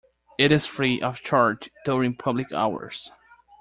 It is free of charge during public hours.